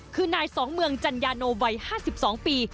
คือนายสองเมืองจัญญาโนวัย๕๒ปี